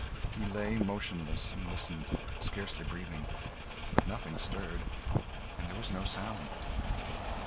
He lay motionless, and listened, scarcely breathing. But nothing stirred, and there was no sound.